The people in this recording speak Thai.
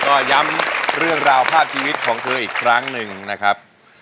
ก็ย้ำเรื่องราวภาพชีวิตของเธออีกครั้งหนึ่งนะครับ